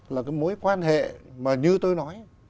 là cái mối quan hệ mà như tôi nói